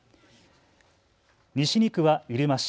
西２区は入間市。